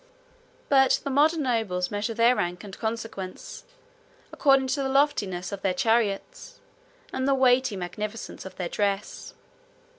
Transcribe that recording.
But the modern nobles measure their rank and consequence according to the loftiness of their chariots, 37 and the weighty magnificence of their dress.